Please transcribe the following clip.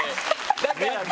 だからさ。